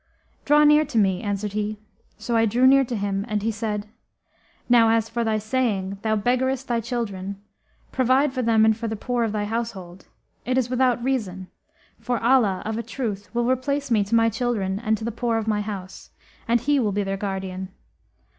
'Draw near to me,' answered he: so I drew near to him and he said, 'Now as for thy saying, 'Thou beggarest thy children; provide for them; and for the poor of thy household,' it is without reason; for Allah of a truth will replace me to my children and to the poor of my house, and He will be their guardian.